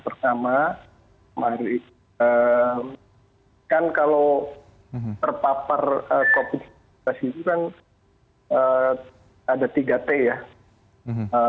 pertama kan kalau terpapar kopi situ kan ada tiga tanda